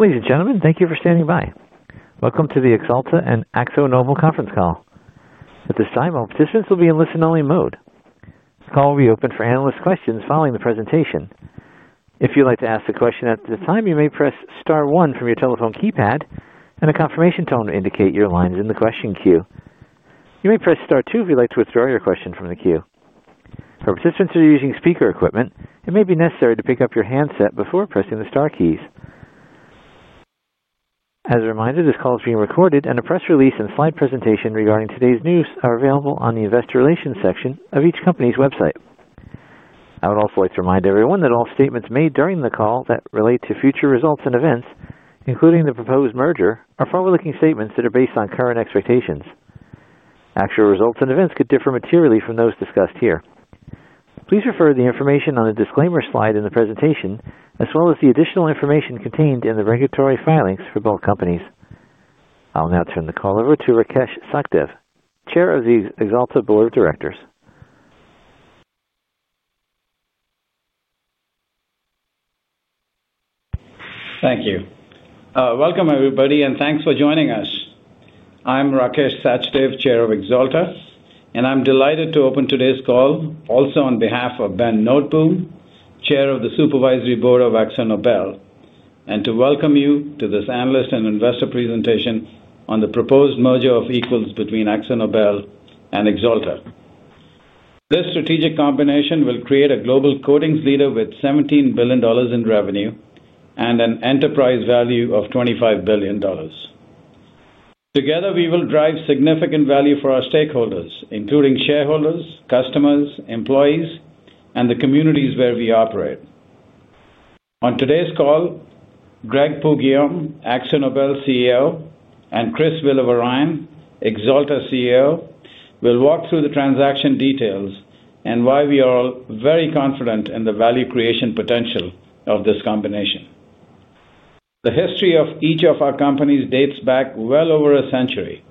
Ladies and gentlemen, thank you for standing by. Welcome to the Axalta and AkzoNobel conference call. At this time, all participants will be in listen-only mode. The call will be open for analyst questions following the presentation. If you'd like to ask a question at this time, you may press star one from your telephone keypad and a confirmation tone to indicate your line is in the question queue. You may press star two if you'd like to withdraw your question from the queue. For participants who are using speaker equipment, it may be necessary to pick up your handset before pressing the star keys. As a reminder, this call is being recorded, and a press release and slide presentation regarding today's news are available on the investor relations section of each company's website. I would also like to remind everyone that all statements made during the call that relate to future results and events, including the proposed merger, are forward-looking statements that are based on current expectations. Actual results and events could differ materially from those discussed here. Please refer to the information on the disclaimer slide in the presentation, as well as the additional information contained in the regulatory filings for both companies. I'll now turn the call over to Rakesh Sachdev, Chair of the Axalta Board of Directors. Thank you. Welcome, everybody, and thanks for joining us. I'm Rakesh Sachdev, Chair of Axalta, and I'm delighted to open today's call also on behalf of Ben Noteboom, Chair of the Supervisory Board of AkzoNobel, and to welcome you to this Analyst and Investor Presentation on the proposed merger of equals between AkzoNobel and Axalta. This strategic combination will create a global coatings leader with $17 billion in revenue and an enterprise value of $25 billion. Together, we will drive significant value for our stakeholders, including shareholders, customers, employees, and the communities where we operate. On today's call, Greg Poux-Guillaume, AkzoNobel CEO, and Chris Villavarayan, Axalta CEO, will walk through the transaction details and why we are all very confident in the value creation potential of this combination. The history of each of our companies dates back well over a century.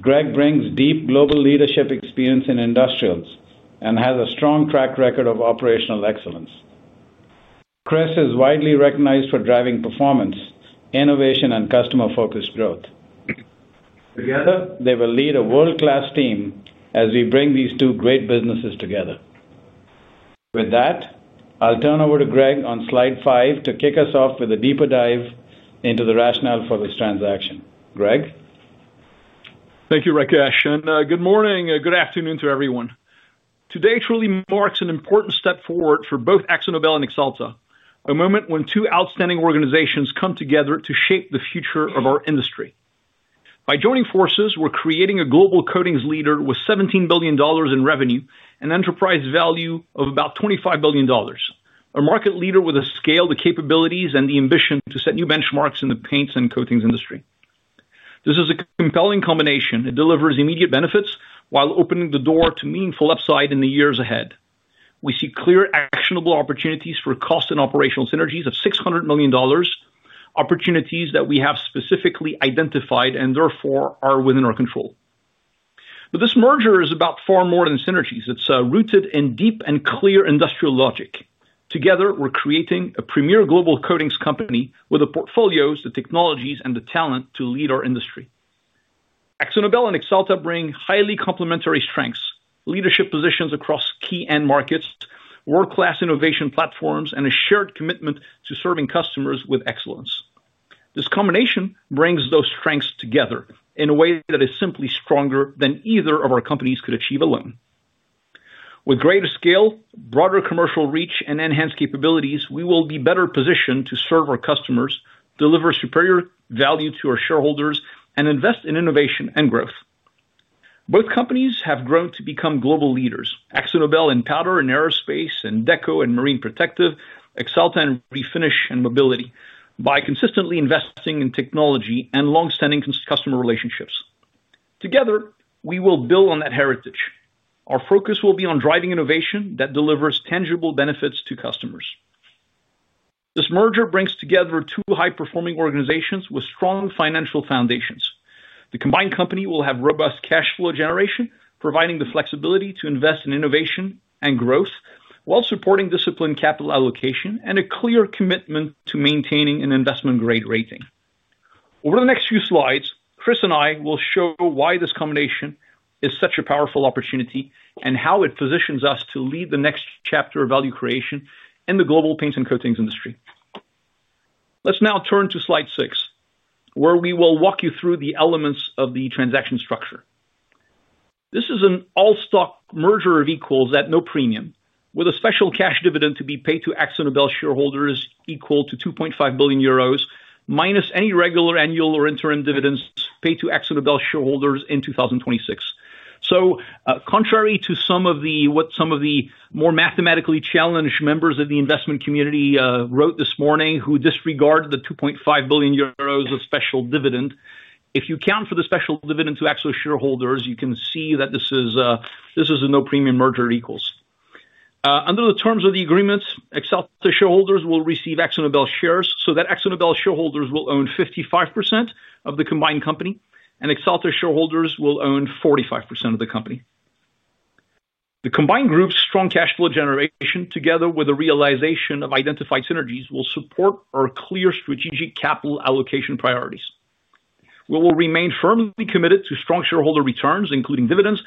Greg brings deep global leadership experience in industrials and has a strong track record of operational excellence. Chris is widely recognized for driving performance, innovation, and customer-focused growth. Together, they will lead a world-class team as we bring these two great businesses together. With that, I'll turn over to Greg on slide five to kick us off with a deeper dive into the rationale for this transaction. Greg? Thank you, Rakesh. Good morning, good afternoon to everyone. Today truly marks an important step forward for both AkzoNobel and Axalta, a moment when two outstanding organizations come together to shape the future of our industry. By joining forces, we're creating a global coatings leader with $17 billion in revenue and enterprise value of about $25 billion, a market leader with the scale, the capabilities, and the ambition to set new benchmarks in the paints and coatings industry. This is a compelling combination. It delivers immediate benefits while opening the door to meaningful upside in the years ahead. We see clear, actionable opportunities for cost and operational synergies of $600 million, opportunities that we have specifically identified and therefore are within our control. This merger is about far more than synergies. It is rooted in deep and clear industrial logic. Together, we're creating a premier global coatings company with the portfolios, the technologies, and the talent to lead our industry. AkzoNobel and Axalta bring highly complementary strengths, leadership positions across key end markets, world-class innovation platforms, and a shared commitment to serving customers with excellence. This combination brings those strengths together in a way that is simply stronger than either of our companies could achieve alone. With greater scale, broader commercial reach, and enhanced capabilities, we will be better positioned to serve our customers, deliver superior value to our shareholders, and invest in innovation and growth. Both companies have grown to become global leaders: AkzoNobel in powder and aerospace, and Deco in marine protective, Axalta in refinish and mobility, by consistently investing in technology and long-standing customer relationships. Together, we will build on that heritage. Our focus will be on driving innovation that delivers tangible benefits to customers. This merger brings together two high-performing organizations with strong financial foundations. The combined company will have robust cash flow generation, providing the flexibility to invest in innovation and growth while supporting disciplined capital allocation and a clear commitment to maintaining an investment-grade rating. Over the next few slides, Chris and I will show why this combination is such a powerful opportunity and how it positions us to lead the next chapter of value creation in the global paints and coatings industry. Let's now turn to slide six, where we will walk you through the elements of the transaction structure. This is an all-stock merger of equals at no premium, with a special cash dividend to be paid to AkzoNobel shareholders equal to 2.5 billion euros, minus any regular annual or interim dividends paid to AkzoNobel shareholders in 2026. Contrary to what some of the more mathematically challenged members of the investment community wrote this morning, who disregarded the 2.5 billion euros of special dividend, if you count for the special dividend to Akzo shareholders, you can see that this is a no-premium merger of equals. Under the terms of the agreement, Axalta shareholders will receive AkzoNobel shares, so that AkzoNobel shareholders will own 55% of the combined company, and Axalta shareholders will own 45% of the company. The combined group's strong cash flow generation, together with the realization of identified synergies, will support our clear strategic capital allocation priorities. We will remain firmly committed to strong shareholder returns, including dividends,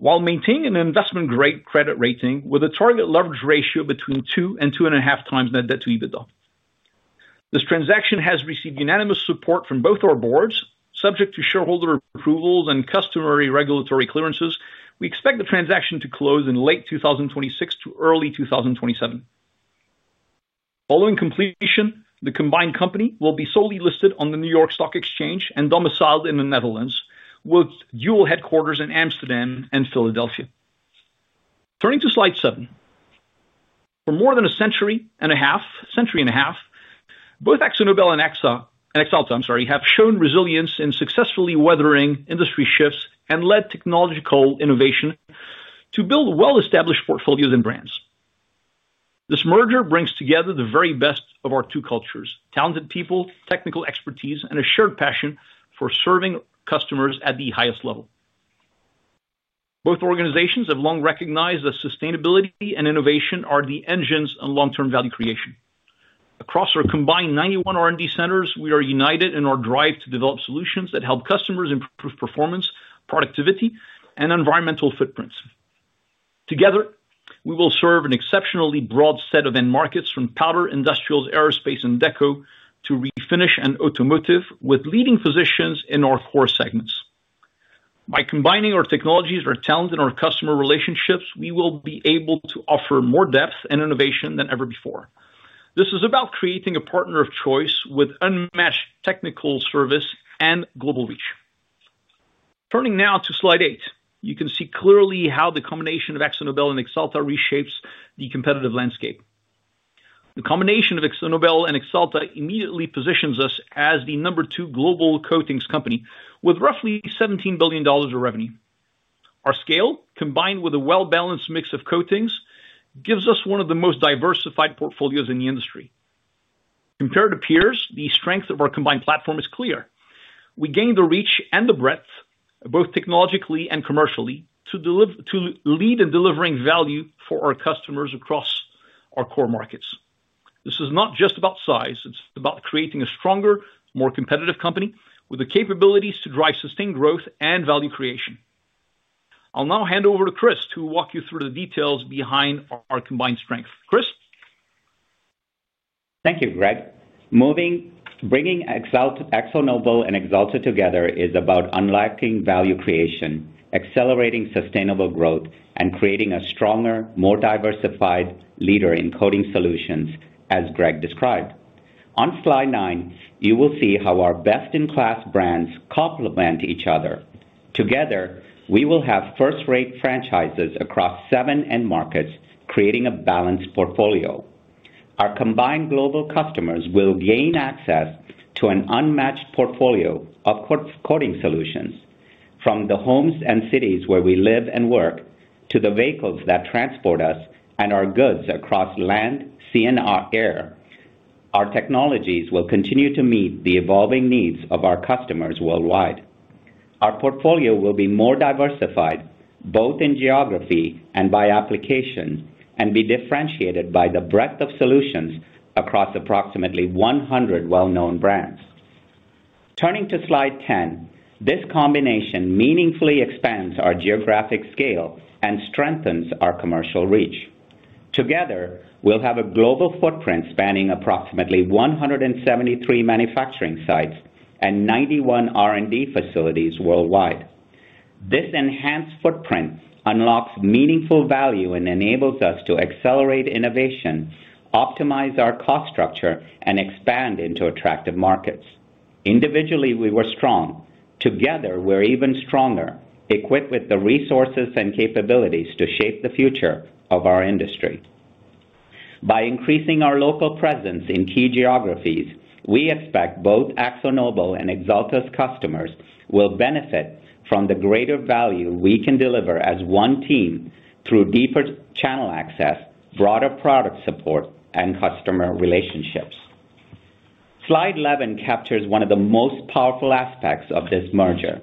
while maintaining an investment-grade credit rating with a target leverage ratio between 2 and 2.5 times net debt to EBITDA. This transaction has received unanimous support from both our boards, subject to shareholder approvals and customary regulatory clearances. We expect the transaction to close in late 2026 to early 2027. Following completion, the combined company will be solely listed on the New York Stock Exchange and domiciled in the Netherlands, with dual headquarters in Amsterdam and Philadelphia. Turning to slide seven, for more than a century and a half, both AkzoNobel and Axalta, I'm sorry, have shown resilience in successfully weathering industry shifts and led technological innovation to build well-established portfolios and brands. This merger brings together the very best of our two cultures: talented people, technical expertise, and a shared passion for serving customers at the highest level. Both organizations have long recognized that sustainability and innovation are the engines of long-term value creation. Across our combined 91 R&D centers, we are united in our drive to develop solutions that help customers improve performance, productivity, and environmental footprints. Together, we will serve an exceptionally broad set of end markets, from powder, industrials, aerospace, and Deco, to refinish and automotive, with leading positions in our core segments. By combining our technologies, our talent, and our customer relationships, we will be able to offer more depth and innovation than ever before. This is about creating a partner of choice with unmatched technical service and global reach. Turning now to slide eight, you can see clearly how the combination of AkzoNobel and Axalta reshapes the competitive landscape. The combination of AkzoNobel and Axalta immediately positions us as the number two global coatings company, with roughly $17 billion of revenue. Our scale, combined with a well-balanced mix of coatings, gives us one of the most diversified portfolios in the industry. Compared to peers, the strength of our combined platform is clear. We gain the reach and the breadth, both technologically and commercially, to lead in delivering value for our customers across our core markets. This is not just about size. It is about creating a stronger, more competitive company with the capabilities to drive sustained growth and value creation. I'll now hand over to Chris, who will walk you through the details behind our combined strength. Chris? Thank you, Greg. Bringing AkzoNobel and Axalta together is about unlocking value creation, accelerating sustainable growth, and creating a stronger, more diversified leader in coating solutions, as Greg described. On slide nine, you will see how our best-in-class brands complement each other. Together, we will have first-rate franchises across seven end markets, creating a balanced portfolio. Our combined global customers will gain access to an unmatched portfolio of coating solutions, from the homes and cities where we live and work to the vehicles that transport us and our goods across land, sea, and air. Our technologies will continue to meet the evolving needs of our customers worldwide. Our portfolio will be more diversified, both in geography and by application, and be differentiated by the breadth of solutions across approximately 100 well-known brands. Turning to slide 10, this combination meaningfully expands our geographic scale and strengthens our commercial reach. Together, we'll have a global footprint spanning approximately 173 manufacturing sites and 91 R&D facilities worldwide. This enhanced footprint unlocks meaningful value and enables us to accelerate innovation, optimize our cost structure, and expand into attractive markets. Individually, we were strong. Together, we're even stronger, equipped with the resources and capabilities to shape the future of our industry. By increasing our local presence in key geographies, we expect both AkzoNobel and Axalta's customers will benefit from the greater value we can deliver as one team through deeper channel access, broader product support, and customer relationships. Slide 11 captures one of the most powerful aspects of this merger: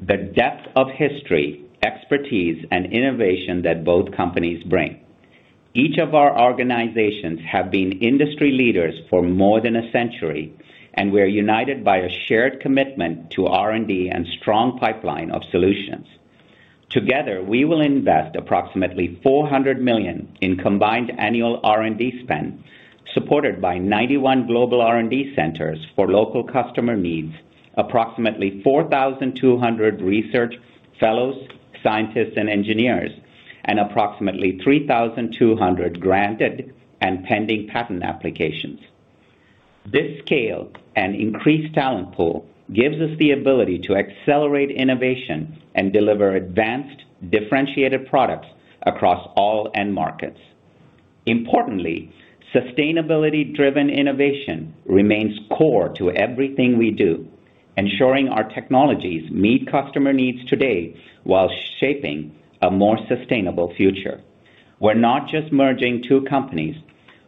the depth of history, expertise, and innovation that both companies bring. Each of our organizations has been industry leaders for more than a century, and we are united by a shared commitment to R&D and a strong pipeline of solutions. Together, we will invest approximately $400 million in combined annual R&D spend, supported by 91 global R&D centers for local customer needs, approximately 4,200 research fellows, scientists, and engineers, and approximately 3,200 granted and pending patent applications. This scale and increased talent pool gives us the ability to accelerate innovation and deliver advanced, differentiated products across all end markets. Importantly, sustainability-driven innovation remains core to everything we do, ensuring our technologies meet customer needs today while shaping a more sustainable future. We're not just merging two companies.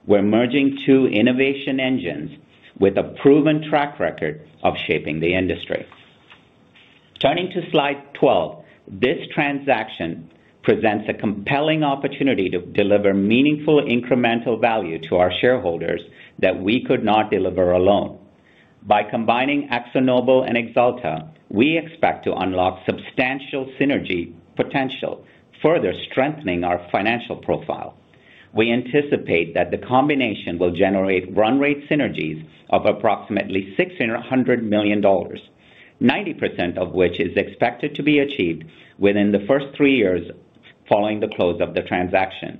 We're merging two innovation engines with a proven track record of shaping the industry. Turning to slide 12, this transaction presents a compelling opportunity to deliver meaningful incremental value to our shareholders that we could not deliver alone. By combining AkzoNobel and Axalta, we expect to unlock substantial synergy potential, further strengthening our financial profile. We anticipate that the combination will generate run-rate synergies of approximately $600 million, 90% of which is expected to be achieved within the first three years following the close of the transaction.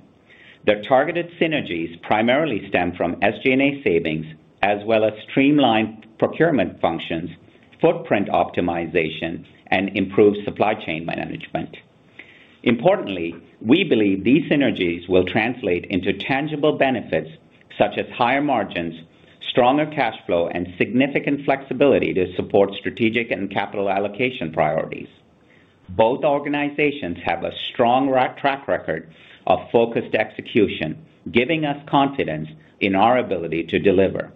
The targeted synergies primarily stem from SG&A savings, as well as streamlined procurement functions, footprint optimization, and improved supply chain management. Importantly, we believe these synergies will translate into tangible benefits such as higher margins, stronger cash flow, and significant flexibility to support strategic and capital allocation priorities. Both organizations have a strong track record of focused execution, giving us confidence in our ability to deliver.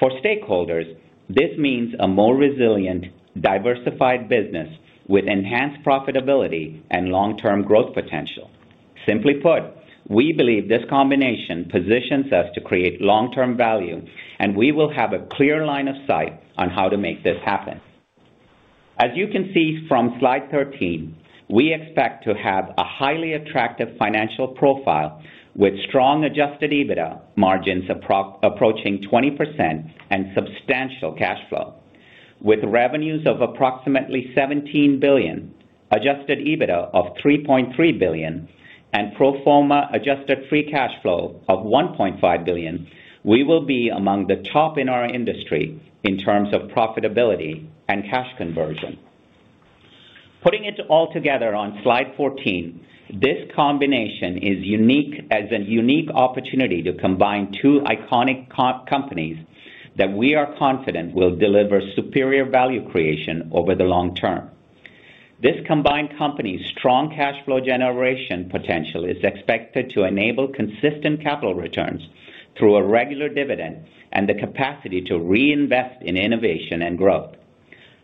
For stakeholders, this means a more resilient, diversified business with enhanced profitability and long-term growth potential. Simply put, we believe this combination positions us to create long-term value, and we will have a clear line of sight on how to make this happen. As you can see from slide 13, we expect to have a highly attractive financial profile with strong adjusted EBITDA margins approaching 20% and substantial cash flow. With revenues of approximately $17 billion, adjusted EBITDA of $3.3 billion, and pro forma adjusted free cash flow of $1.5 billion, we will be among the top in our industry in terms of profitability and cash conversion. Putting it all together on slide 14, this combination is a unique opportunity to combine two iconic companies that we are confident will deliver superior value creation over the long term. This combined company's strong cash flow generation potential is expected to enable consistent capital returns through a regular dividend and the capacity to reinvest in innovation and growth.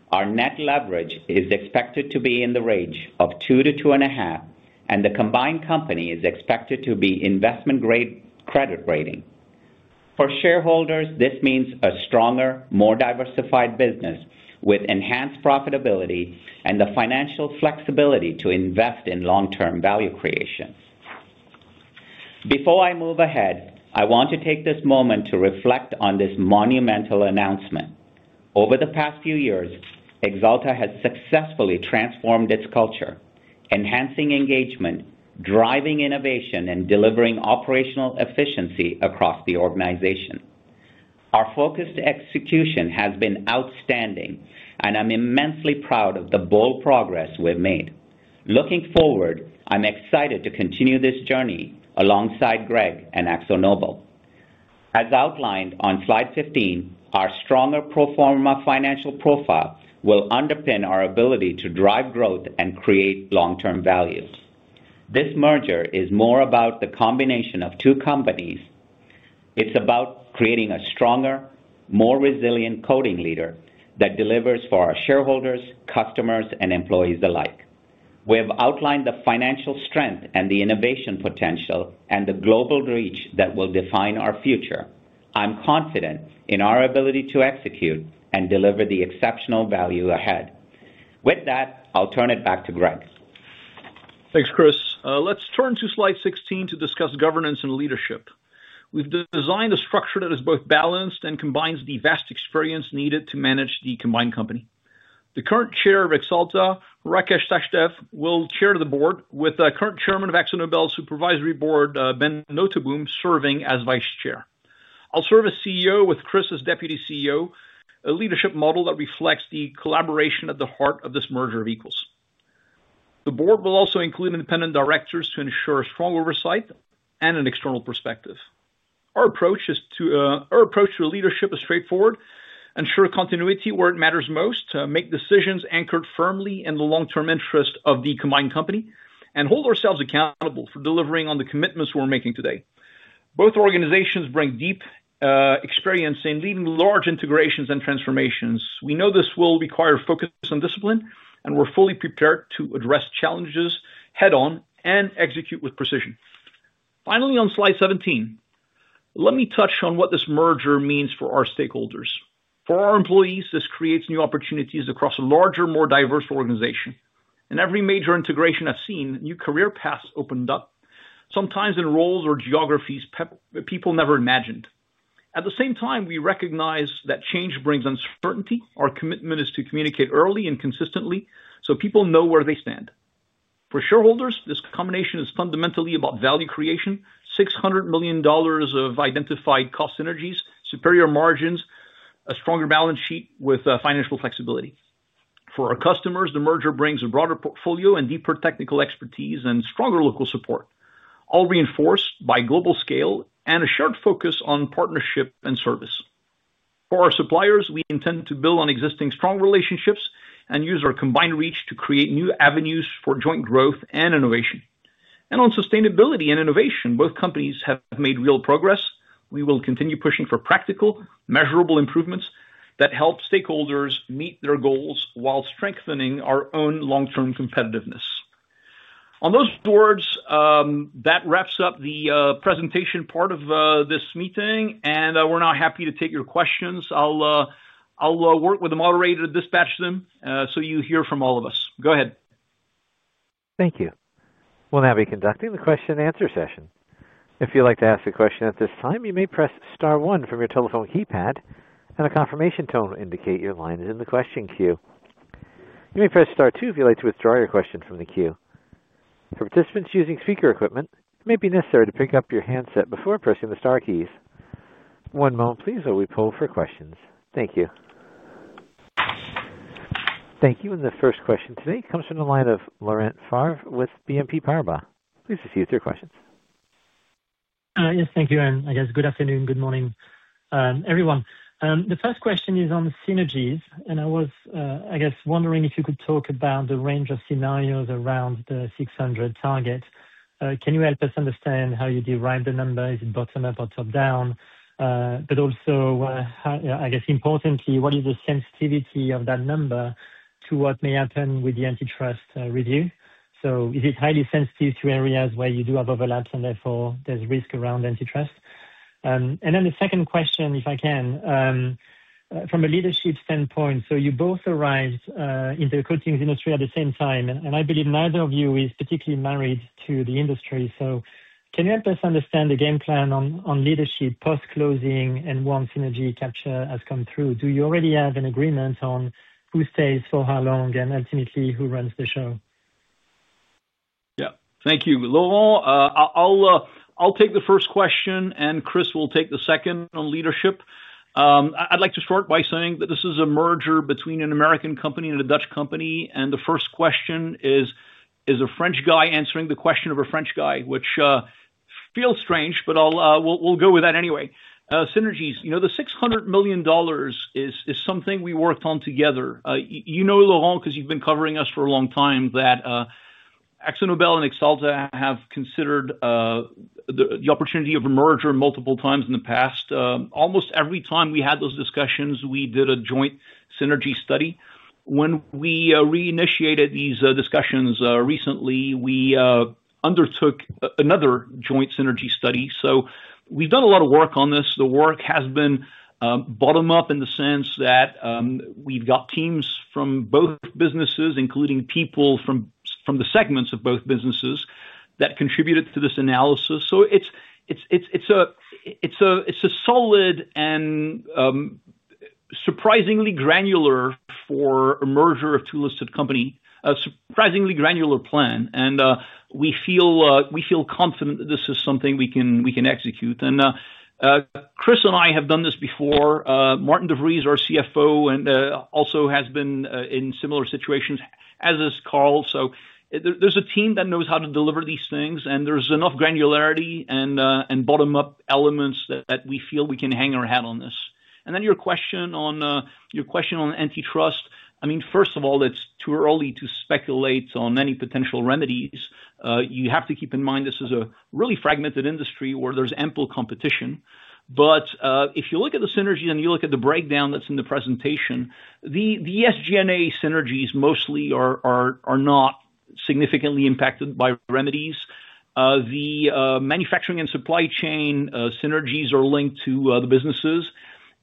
Our net leverage is expected to be in the range of 2-2.5, and the combined company is expected to be investment-grade credit rating. For shareholders, this means a stronger, more diversified business with enhanced profitability and the financial flexibility to invest in long-term value creation. Before I move ahead, I want to take this moment to reflect on this monumental announcement. Over the past few years, Axalta has successfully transformed its culture, enhancing engagement, driving innovation, and delivering operational efficiency across the organization. Our focused execution has been outstanding, and I'm immensely proud of the bold progress we've made. Looking forward, I'm excited to continue this journey alongside Greg and AkzoNobel. As outlined on slide 15, our stronger pro forma financial profile will underpin our ability to drive growth and create long-term value. This merger is more about the combination of two companies. It's about creating a stronger, more resilient coating leader that delivers for our shareholders, customers, and employees alike. We have outlined the financial strength and the innovation potential and the global reach that will define our future. I'm confident in our ability to execute and deliver the exceptional value ahead. With that, I'll turn it back to Greg. Thanks, Chris. Let's turn to slide 16 to discuss governance and leadership. We've designed a structure that is both balanced and combines the vast experience needed to manage the combined company. The current chair of Axalta, Rakesh Sachdev, will chair the Board with the current Chairman of AkzoNobel's Supervisory Board, Ben Noteboom, serving as Vice Chair. I'll serve as CEO with Chris as Deputy CEO. A leadership model that reflects the collaboration at the heart of this merger of equals. The board will also include independent directors to ensure strong oversight and an external perspective. Our approach to leadership is straightforward: ensure continuity where it matters most, make decisions anchored firmly in the long-term interest of the combined company, and hold ourselves accountable for delivering on the commitments we're making today. Both organizations bring deep experience in leading large integrations and transformations. We know this will require focus on discipline, and we're fully prepared to address challenges head-on and execute with precision. Finally, on slide 17, let me touch on what this merger means for our stakeholders. For our employees, this creates new opportunities across a larger, more diverse organization. In every major integration I've seen, new career paths opened up, sometimes in roles or geographies people never imagined. At the same time, we recognize that change brings uncertainty. Our commitment is to communicate early and consistently so people know where they stand. For shareholders, this combination is fundamentally about value creation: $600 million of identified cost synergies, superior margins, a stronger balance sheet with financial flexibility. For our customers, the merger brings a broader portfolio and deeper technical expertise and stronger local support, all reinforced by global scale and a shared focus on partnership and service. For our suppliers, we intend to build on existing strong relationships and use our combined reach to create new avenues for joint growth and innovation. On sustainability and innovation, both companies have made real progress. We will continue pushing for practical, measurable improvements that help stakeholders meet their goals while strengthening our own long-term competitiveness. On those words, that wraps up the presentation part of this meeting, and we're now happy to take your questions. I'll work with the moderator to dispatch them so you hear from all of us. Go ahead. Thank you. We'll now be conducting the question-and-answer session. If you'd like to ask a question at this time, you may press star one from your telephone keypad, and a confirmation tone will indicate your line is in the question queue. You may press star two if you'd like to withdraw your question from the queue. For participants using speaker equipment, it may be necessary to pick up your handset before pressing the Star keys. One moment, please, while we pull for questions. Thank you. The first question today comes from the line of Laurent Favre with BNP Paribas. Please proceed with your questions. Yes, thank you. I guess good afternoon, good morning, everyone. The first question is on synergies, and I was, I guess, wondering if you could talk about the range of scenarios around the 600 target. Can you help us understand how you derive the numbers? Is it bottom-up or top-down? Also, I guess, importantly, what is the sensitivity of that number to what may happen with the antitrust review? Is it highly sensitive to areas where you do have overlaps, and therefore there's risk around antitrust? The second question, if I can, from a leadership standpoint. You both arrived in the coatings industry at the same time, and I believe neither of you is particularly married to the industry. Can you help us understand the game plan on leadership post-closing and once synergy capture has come through? Do you already have an agreement on who stays for how long and ultimately who runs the show? Yeah. Thank you, Laurent. I'll take the first question, and Chris will take the second on leadership. I'd like to start by saying that this is a merger between an American company and a Dutch company. The first question is, it is a French guy answering the question of a French guy, which feels strange, but we'll go with that anyway. Synergies, the $600 million is something we worked on together. You know, Laurent, because you've been covering us for a long time, that AkzoNobel and Axalta have considered the opportunity of a merger multiple times in the past. Almost every time we had those discussions, we did a joint synergy study. When we reinitiated these discussions recently, we undertook another joint synergy study. So we've done a lot of work on this. The work has been bottom-up in the sense that we've got teams from both businesses, including people from the segments of both businesses, that contributed to this analysis. It is a solid and surprisingly granular for a merger of two listed companies, a surprisingly granular plan. We feel confident that this is something we can execute. Chris and I have done this before. Maarten de Vries, our CFO, also has been in similar situations, as has Carl. There is a team that knows how to deliver these things, and there is enough granularity and bottom-up elements that we feel we can hang our hat on this. Your question on antitrust, I mean, first of all, it is too early to speculate on any potential remedies. You have to keep in mind this is a really fragmented industry where there is ample competition. If you look at the synergies and you look at the breakdown that's in the presentation, the SG&A synergies mostly are not significantly impacted by remedies. The manufacturing and supply chain synergies are linked to the businesses.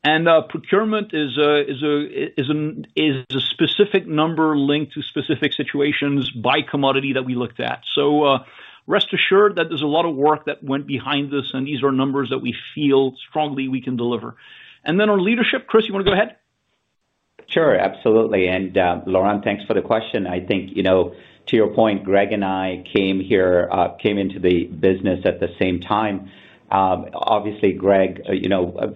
Procurement is a specific number linked to specific situations by commodity that we looked at. Rest assured that there's a lot of work that went behind this, and these are numbers that we feel strongly we can deliver. On leadership, Chris, you want to go ahead? Sure, absolutely. Laurent, thanks for the question. I think, to your point, Greg and I came here, came into the business at the same time. Obviously, Greg,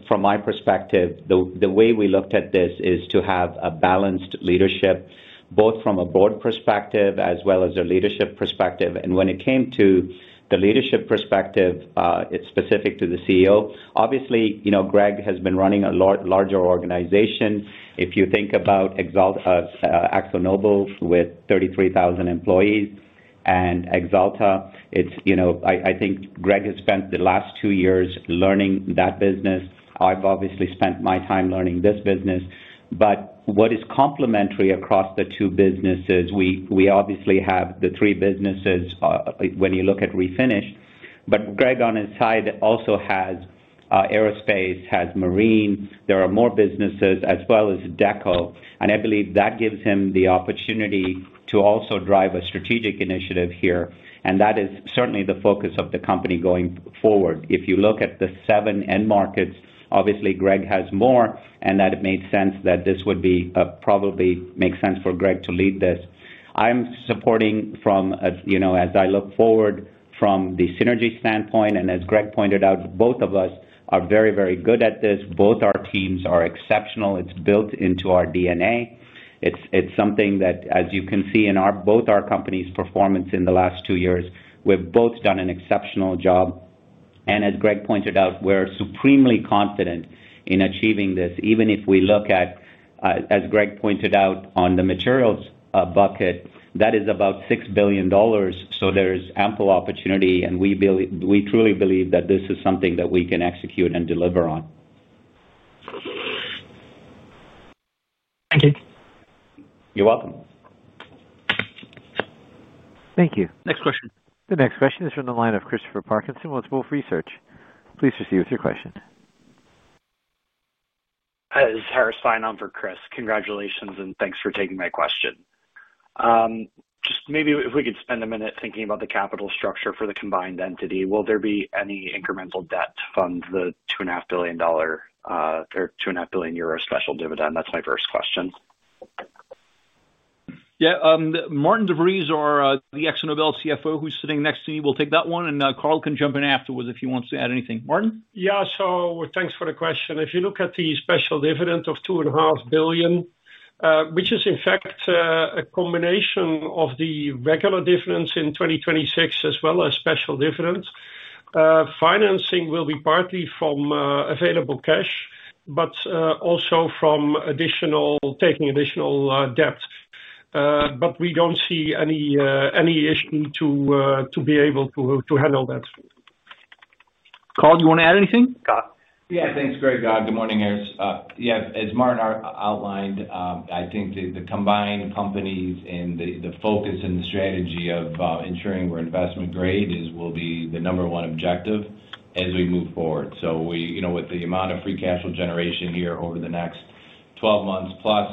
from my perspective, the way we looked at this is to have a balanced leadership, both from a broad perspective as well as a leadership perspective. When it came to the leadership perspective, it's specific to the CEO. Obviously, Greg has been running a larger organization. If you think about AkzoNobel with 33,000 employees and Axalta, I think Greg has spent the last two years learning that business. I've obviously spent my time learning this business. What is complementary across the two businesses, we obviously have the three businesses when you look at refinish. Greg, on his side, also has aerospace, has marine. There are more businesses as well as Deco. I believe that gives him the opportunity to also drive a strategic initiative here. That is certainly the focus of the company going forward. If you look at the seven end markets, obviously, Greg has more, and it made sense that this would probably make sense for Greg to lead this. I'm supporting from, as I look forward from the synergy standpoint, and as Greg pointed out, both of us are very, very good at this. Both our teams are exceptional. It's built into our D&A. It's something that, as you can see in both our companies' performance in the last two years, we've both done an exceptional job. As Greg pointed out, we're supremely confident in achieving this. Even if we look at, as Greg pointed out, on the materials bucket, that is about $6 billion. There is ample opportunity, and we truly believe that this is something that we can execute and deliver on. Thank you. You're welcome. Thank you. Next question. The next question is from the line of Christopher Parkinson, Multiple Research. Please proceed with your question. This is Harris sign on for Chris. Congratulations, and thanks for taking my question. Just maybe if we could spend a minute thinking about the capital structure for the combined entity, will there be any incremental debt to fund the $2.5 billion or 2.5 billion euro special dividend? That's my first question. Yeah. Maarten de Vries, the AkzoNobel CFO who's sitting next to me, will take that one. Carl can jump in afterwards if he wants to add anything. Maarten? Yeah. Thanks for the question. If you look at the special dividend of $2.5 billion, which is in fact a combination of the regular dividends in 2026 as well as special dividends, financing will be partly from available cash, but also from taking additional debt. We do not see any issue to be able to handle that. Carl, do you want to add anything? Yeah. Thanks, Greg. Good morning, Harris. Yeah. As Maarten outlined, I think the combined companies and the focus and the strategy of ensuring we're investment-grade will be the number one objective as we move forward. With the amount of free cash flow generation here over the next 12 months plus,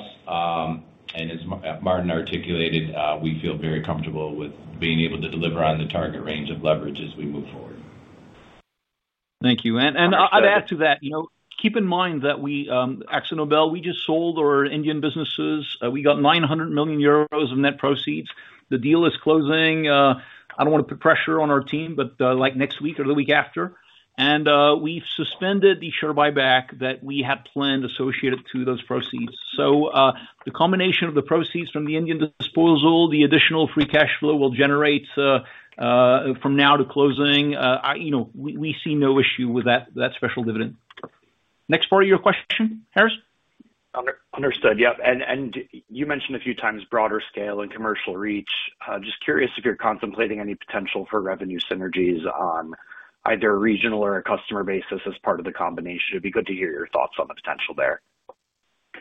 and as Maarten articulated, we feel very comfortable with being able to deliver on the target range of leverage as we move forward. Thank you. I'd add to that, keep in mind that AkzoNobel, we just sold our Indian businesses. We got 900 million euros of net proceeds. The deal is closing. I don't want to put pressure on our team, but like next week or the week after. We've suspended the share buyback that we had planned associated to those proceeds. The combination of the proceeds from the Indian disposal, the additional free cash flow we'll generate from now to closing. We see no issue with that special dividend. Next part of your question, Harris? Understood. Yeah. You mentioned a few times broader scale and commercial reach. Just curious if you're contemplating any potential for revenue synergies on either a regional or a customer basis as part of the combination. It'd be good to hear your thoughts on the potential there.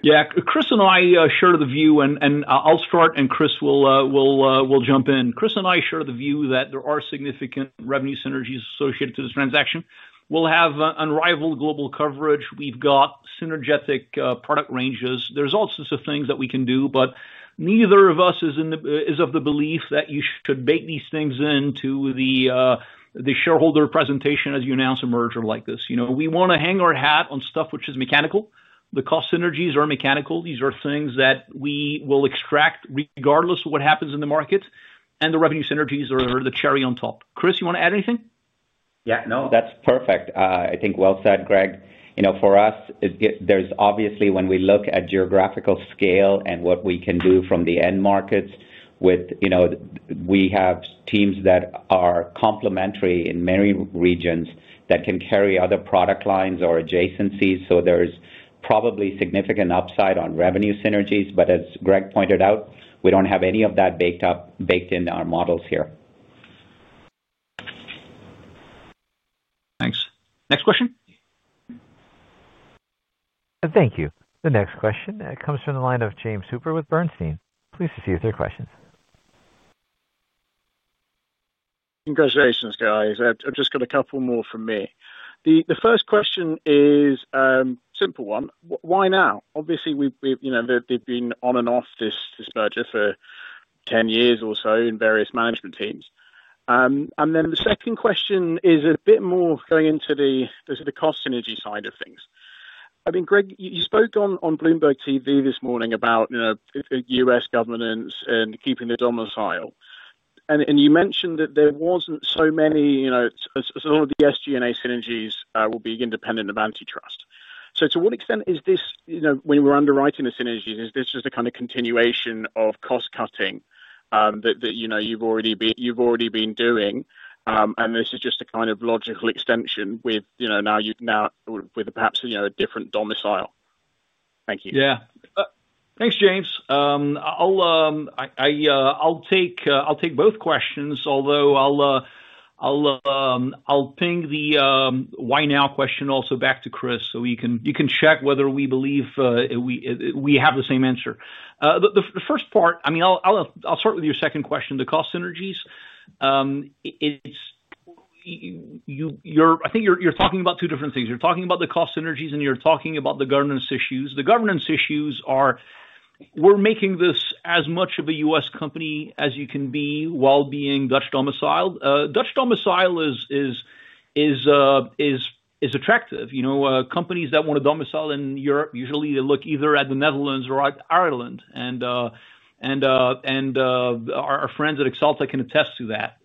Yeah. Chris and I share the view, and I'll start, and Chris will jump in. Chris and I share the view that there are significant revenue synergies associated to this transaction. We'll have unrivaled global coverage. We've got synergetic product ranges. There's all sorts of things that we can do, but neither of us is of the belief that you should bake these things into the shareholder presentation as you announce a merger like this. We want to hang our hat on stuff which is mechanical. The cost synergies are mechanical. These are things that we will extract regardless of what happens in the market. The revenue synergies are the cherry on top. Chris, you want to add anything? Yeah. No, that's perfect. I think well said, Greg. For us, there's obviously when we look at geographical scale and what we can do from the end markets, we have teams that are complementary in many regions that can carry other product lines or adjacencies. There is probably significant upside on revenue synergies. As Greg pointed out, we do not have any of that baked in our models here. Thanks. Next question. Thank you. The next question comes from the line of James Hooper with Bernstein. Please proceed with your questions. Congratulations, guys. I've just got a couple more from me. The first question is a simple one. Why now? Obviously, they've been on and off this merger for 10 years or so in various management teams. The second question is a bit more going into the cost synergy side of things. I mean, Greg, you spoke on Bloomberg TV this morning about U.S. governance and keeping the domicile. You mentioned that there wasn't so many, so all of the SG&A synergies will be independent of antitrust. To what extent is this, when we're underwriting the synergies, is this just a kind of continuation of cost cutting that you've already been doing? This is just a kind of logical extension now with perhaps a different domicile? Thank you. Yeah. Thanks, James. I'll take both questions, although I'll ping the why now question also back to Chris so you can check whether we believe we have the same answer. The first part, I mean, I'll start with your second question, the cost synergies. I think you're talking about two different things. You're talking about the cost synergies, and you're talking about the governance issues. The governance issues are, we're making this as much of a U.S. company as you can be while being Dutch domiciled. Dutch domicile is attractive. Companies that want to domicile in Europe, usually they look either at the Netherlands or Ireland. And our friends at Axalta can attest to that.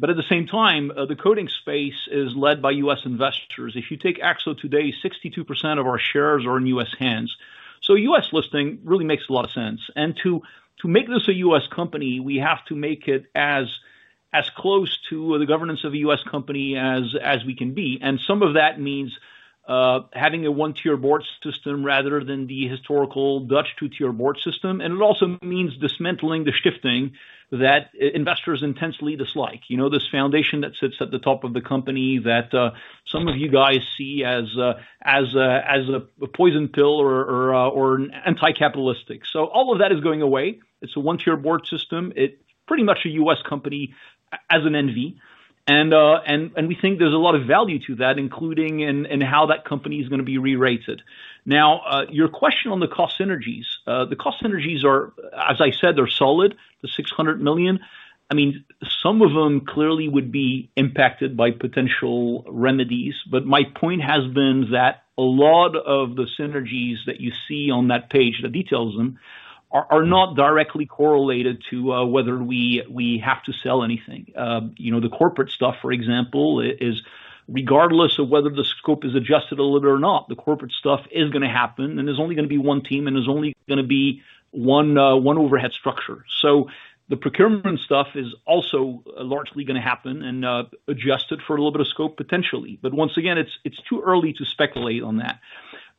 At the same time, the coating space is led by U.S. investors. If you take Akzo today, 62% of our shares are in U.S. hands. U.S. listing really makes a lot of sense. To make this a U.S. company, we have to make it as close to the governance of a U.S. company as we can be. Some of that means having a one-tier board system rather than the historical Dutch two-tier board system. It also means dismantling the shifting that investors intensely dislike. This foundation that sits at the top of the company that some of you guys see as a poison pill or anti-capitalistic. All of that is going away. It is a one-tier board system. It is pretty much a U.S. company as an NV. We think there is a lot of value to that, including in how that company is going to be re-rated. Now, your question on the cost synergies. The cost synergies are, as I said, they are solid, the $600 million. I mean, some of them clearly would be impacted by potential remedies. My point has been that a lot of the synergies that you see on that page that details them are not directly correlated to whether we have to sell anything. The corporate stuff, for example, is regardless of whether the scope is adjusted a little bit or not, the corporate stuff is going to happen. There is only going to be one team, and there is only going to be one overhead structure. The procurement stuff is also largely going to happen and adjusted for a little bit of scope potentially. Once again, it is too early to speculate on that.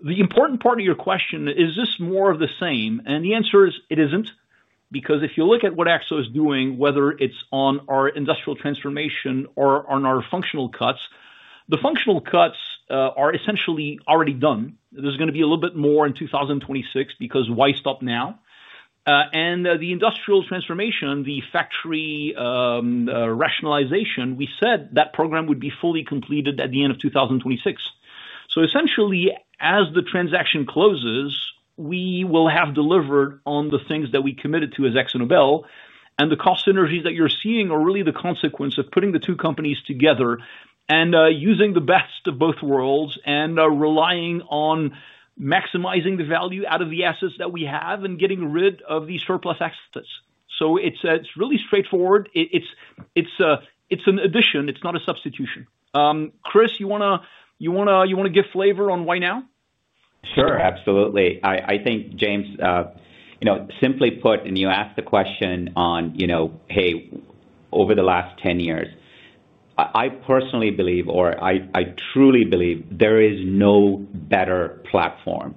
The important part of your question, is this more of the same? The answer is it is not. Because if you look at what Akzo is doing, whether it is on our industrial transformation or on our functional cuts, the functional cuts are essentially already done. There's going to be a little bit more in 2026 because why stop now? The industrial transformation, the factory rationalization, we said that program would be fully completed at the end of 2026. Essentially, as the transaction closes, we will have delivered on the things that we committed to as AkzoNobel. The cost synergies that you're seeing are really the consequence of putting the two companies together and using the best of both worlds and relying on maximizing the value out of the assets that we have and getting rid of these surplus assets. It's really straightforward. It's an addition. It's not a substitution. Chris, you want to give flavor on why now? Sure. Absolutely. I think, James, simply put, and you asked the question on, hey, over the last 10 years, I personally believe, or I truly believe, there is no better platform.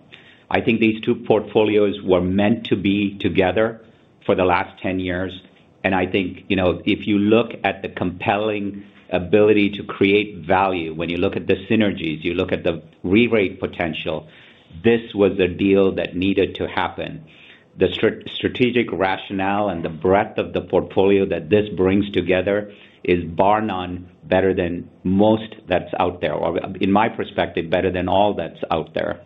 I think these two portfolios were meant to be together for the last 10 years. I think if you look at the compelling ability to create value, when you look at the synergies, you look at the re-rated potential, this was a deal that needed to happen. The strategic rationale and the breadth of the portfolio that this brings together is bar none better than most that's out there, or in my perspective, better than all that's out there.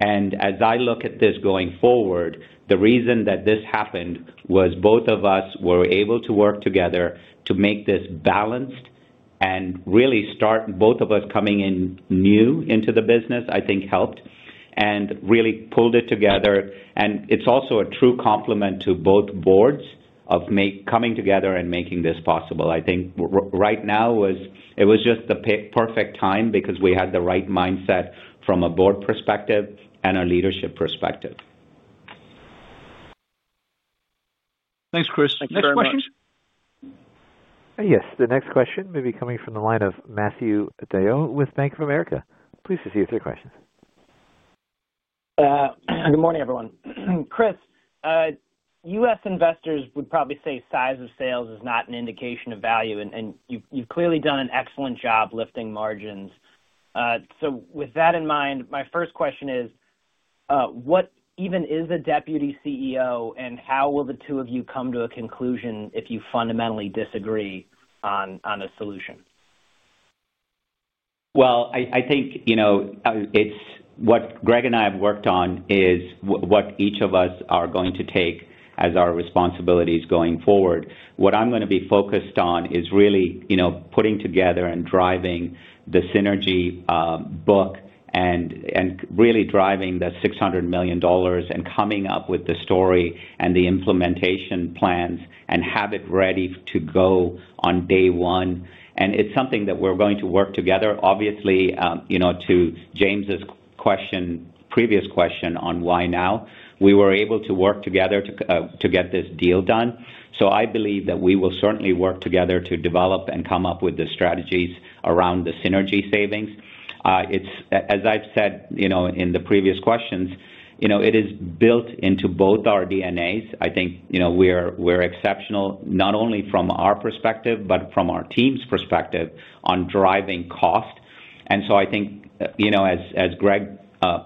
As I look at this going forward, the reason that this happened was both of us were able to work together to make this balanced and really start. Both of us coming in new into the business, I think helped and really pulled it together. It's also a true complement to both boards of coming together and making this possible. I think right now it was just the perfect time because we had the right mindset from a board perspective and a leadership perspective. Thanks, Chris. Next question? Yes. The next question may be coming from the line of Matthew DeYoe with Bank of America. Please proceed with your questions. Good morning, everyone. Chris, U.S. investors would probably say size of sales is not an indication of value. And you've clearly done an excellent job lifting margins. With that in mind, my first question is, what even is a Deputy CEO, and how will the two of you come to a conclusion if you fundamentally disagree on a solution? I think what Greg and I have worked on is what each of us are going to take as our responsibilities going forward. What I'm going to be focused on is really putting together and driving the synergy book and really driving the $600 million and coming up with the story and the implementation plans and have it ready to go on day one. It is something that we're going to work together, obviously, to James's previous question on why now. We were able to work together to get this deal done. I believe that we will certainly work together to develop and come up with the strategies around the synergy savings. As I've said in the previous questions, it is built into both our DNAs. I think we're exceptional not only from our perspective but from our team's perspective on driving cost. I think, as Greg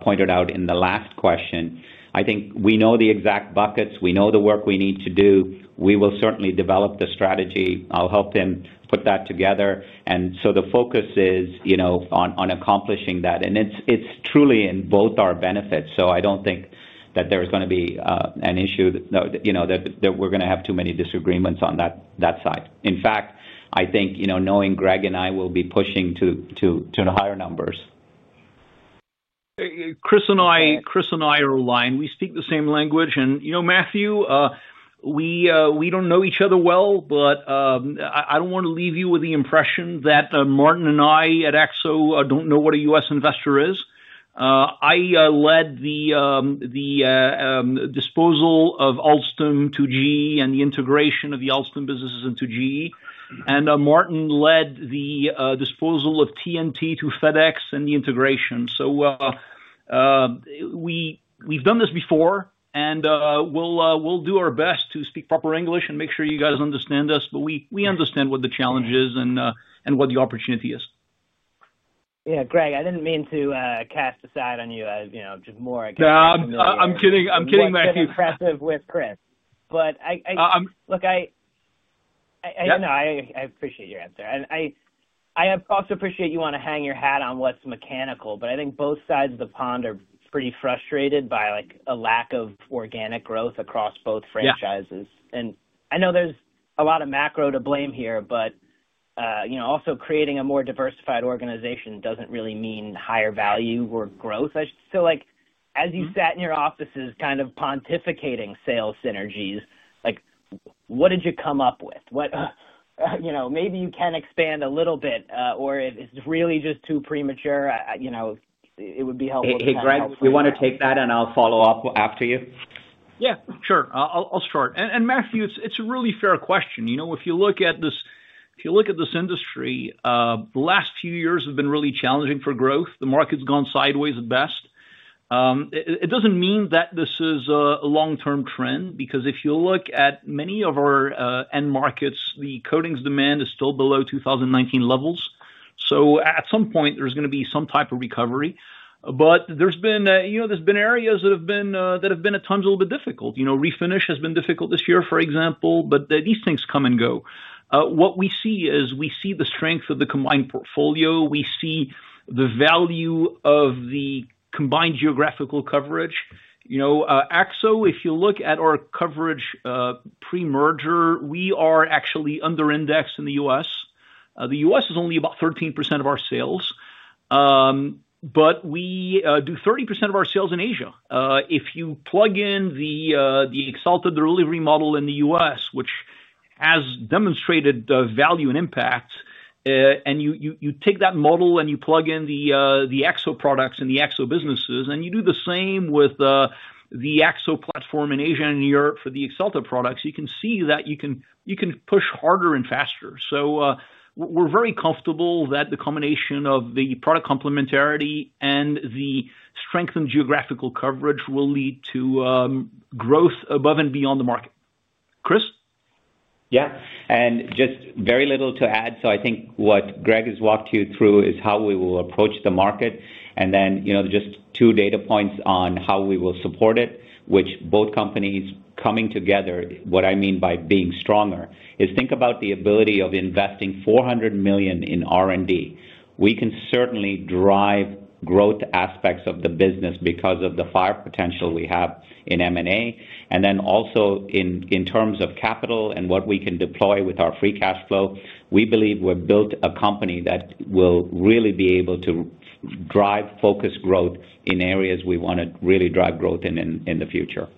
pointed out in the last question, I think we know the exact buckets. We know the work we need to do. We will certainly develop the strategy. I'll help him put that together. The focus is on accomplishing that. It's truly in both our benefits. I don't think that there's going to be an issue that we're going to have too many disagreements on that side. In fact, I think knowing Greg and I will be pushing to higher numbers. Chris and I are aligned. We speak the same language. Matthew, we do not know each other well, but I do not want to leave you with the impression that Maarten and I at Akzo do not know what a U.S. investor is. I led the disposal of Alstom to GE and the integration of the Alstom businesses into GE. Maarten led the disposal of TNT to FedEx and the integration. We have done this before, and we will do our best to speak proper English and make sure you guys understand us. We understand what the challenge is and what the opportunity is. Yeah, Greg, I didn't mean to cast a shadow on you. Just more aggressive. I'm kidding. I'm kidding, Matthew. I'm just being aggressive with Chris. Look, I appreciate your answer. I also appreciate you want to hang your hat on what's mechanical. I think both sides of the pond are pretty frustrated by a lack of organic growth across both franchises. I know there's a lot of macro to blame here, but also creating a more diversified organization doesn't really mean higher value or growth. As you sat in your offices kind of pontificating sales synergies, what did you come up with? Maybe you can expand a little bit, or it's really just too premature. It would be helpful to have a little discussion. Hey, Greg, do you want to take that, and I'll follow up after you? Yeah, sure. I'll start. Matthew, it's a really fair question. If you look at this industry, the last few years have been really challenging for growth. The market's gone sideways at best. It doesn't mean that this is a long-term trend because if you look at many of our end markets, the coatings demand is still below 2019 levels. At some point, there's going to be some type of recovery. There's been areas that have been at times a little bit difficult. Refinish has been difficult this year, for example, but these things come and go. What we see is we see the strength of the combined portfolio. We see the value of the combined geographical coverage. Akzo, if you look at our coverage pre-merger, we are actually under-indexed in the U.S. The U.S. is only about 13% of our sales, but we do 30% of our sales in Asia. If you plug in the Axalta delivery model in the U.S., which has demonstrated value and impact, and you take that model and you plug in the Akzo products and the Akzo businesses, and you do the same with the Akzo platform in Asia and Europe for the Axalta products, you can see that you can push harder and faster. We are very comfortable that the combination of the product complementarity and the strengthened geographical coverage will lead to growth above and beyond the market. Chris? Yeah. Just very little to add. I think what Greg has walked you through is how we will approach the market. Just two data points on how we will support it, with both companies coming together. What I mean by being stronger is, think about the ability of investing $400 million in R&D. We can certainly drive growth aspects of the business because of the fire potential we have in M&A. Also, in terms of capital and what we can deploy with our free cash flow, we believe we have built a company that will really be able to drive focused growth in areas we want to really drive growth in in the future.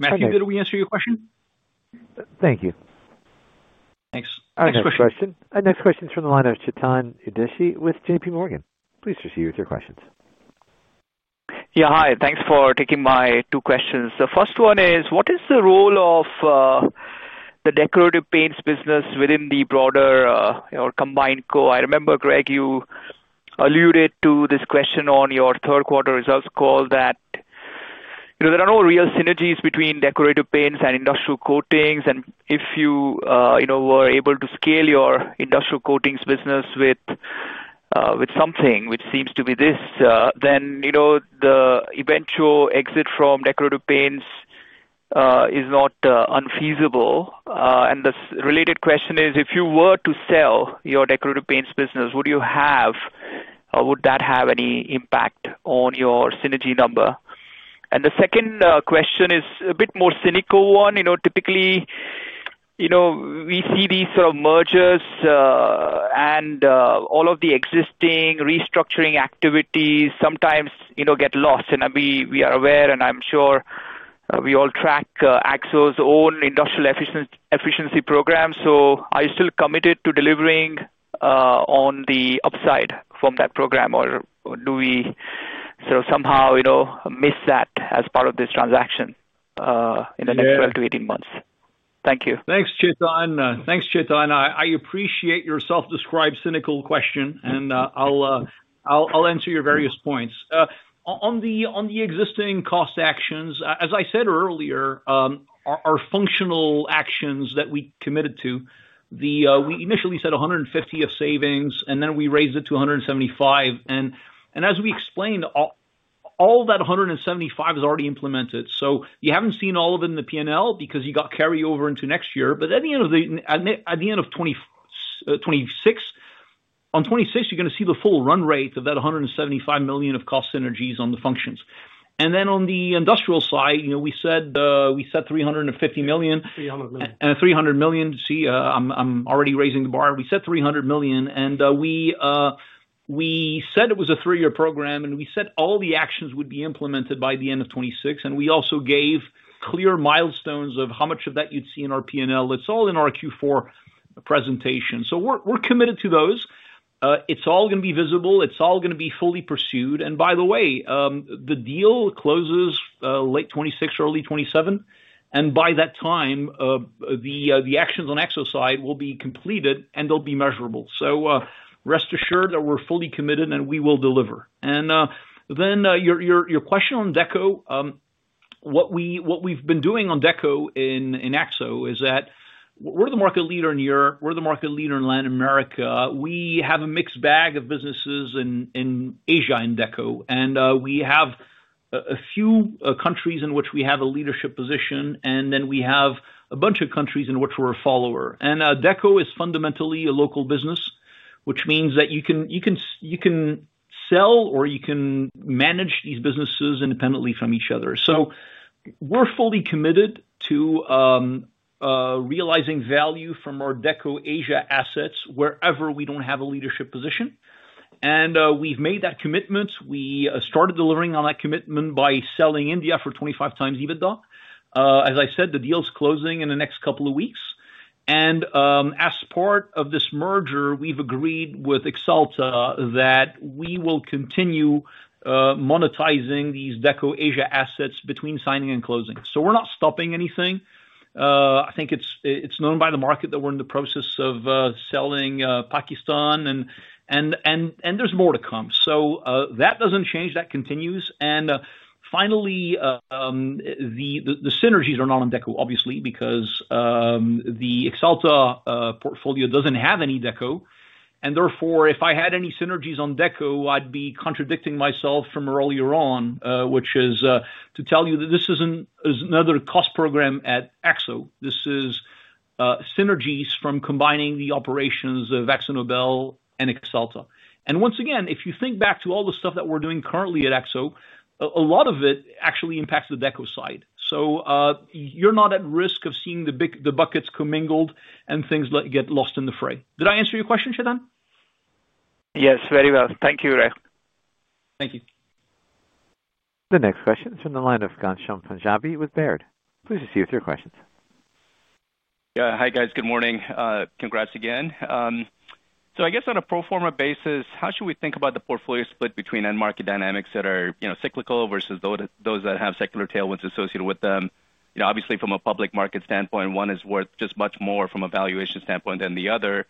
Matthew, did we answer your question? Thank you. Thanks. Next question. Next question is from the line of Chetan Udeshi with JPMorgan. Please proceed with your questions. Yeah, hi. Thanks for taking my two questions. The first one is, what is the role of the decorative paints business within the broader combined co? I remember, Greg, you alluded to this question on your third-quarter results call that there are no real synergies between decorative paints and industrial coatings. If you were able to scale your industrial coatings business with something, which seems to be this, then the eventual exit from decorative paints is not unfeasible. The related question is, if you were to sell your decorative paints business, would you have or would that have any impact on your synergy number? The second question is a bit more cynical one. Typically, we see these sort of mergers and all of the existing restructuring activities sometimes get lost. We are aware, and I'm sure we all track Akzo's own industrial efficiency program. Are you still committed to delivering on the upside from that program, or do we sort of somehow miss that as part of this transaction in the next 12 to 18 months? Thank you. Thanks, Chetan. I appreciate your self-described cynical question, and I'll answer your various points. On the existing cost actions, as I said earlier, our functional actions that we committed to, we initially said $150 million of savings, and then we raised it to $175 million. As we explained, all that $175 million is already implemented. You have not seen all of it in the P&L because you have carryover into next year. At the end of 2026, you are going to see the full run rate of that $175 million of cost synergies on the functions. On the industrial side, we said $300 million. See, I am already raising the bar. We said $300 million. We said it was a three-year program, and we said all the actions would be implemented by the end of 2026. We also gave clear milestones of how much of that you'd see in our P&L. It's all in our Q4 presentation. We're committed to those. It's all going to be visible. It's all going to be fully pursued. By the way, the deal closes late 2026, early 2027. By that time, the actions on Akzo's side will be completed, and they'll be measurable. Rest assured that we're fully committed, and we will deliver. Your question on Deco, what we've been doing on Deco in Akzo is that we're the market leader in Europe. We're the market leader in Latin America. We have a mixed bag of businesses in Asia in Deco. We have a few countries in which we have a leadership position, and then we have a bunch of countries in which we're a follower. Deco is fundamentally a local business, which means that you can sell or you can manage these businesses independently from each other. We are fully committed to realizing value from our Deco Asia assets wherever we do not have a leadership position. We have made that commitment. We started delivering on that commitment by selling India for 25 times EBITDA. As I said, the deal is closing in the next couple of weeks. As part of this merger, we have agreed with Axalta that we will continue monetizing these Deco Asia assets between signing and closing. We are not stopping anything. I think it is known by the market that we are in the process of selling Pakistan, and there is more to come. That does not change. That continues. Finally, the synergies are not on Deco, obviously, because the Axalta portfolio does not have any Deco. Therefore, if I had any synergies on Deco, I'd be contradicting myself from earlier on, which is to tell you that this is another cost program at Akzo. This is synergies from combining the operations of AkzoNobel and Axalta. Once again, if you think back to all the stuff that we're doing currently at Akzo, a lot of it actually impacts the Deco side. You're not at risk of seeing the buckets commingled and things get lost in the fray. Did I answer your question, Chetan? Yes, very well. Thank you, Greg. Thank you. The next question is from the line of Ghansham Panjabi with Baird. Please proceed with your questions. Yeah, hi guys. Good morning. Congrats again. I guess on a pro forma basis, how should we think about the portfolio split between end market dynamics that are cyclical versus those that have secular tailwinds associated with them? Obviously, from a public market standpoint, one is worth just much more from a valuation standpoint than the other.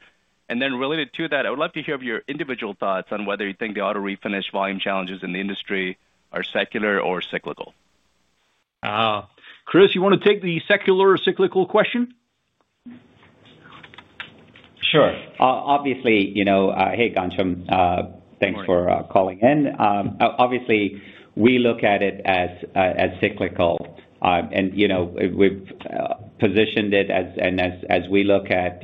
Related to that, I would love to hear your individual thoughts on whether you think the auto refinish volume challenges in the industry are secular or cyclical. Chris, you want to take the secular or cyclical question? Sure. Obviously, hey, Ghansham. Thanks for calling in. Obviously, we look at it as cyclical, and we've positioned it as we look at